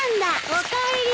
おかえり。